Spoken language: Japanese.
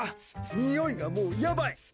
においが、もうやばい。